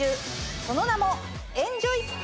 その名も。